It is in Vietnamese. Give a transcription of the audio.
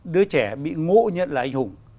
đứa trẻ bị ngộ nhận là anh hùng